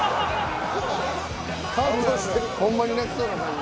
ホンマに泣きそうな感じ。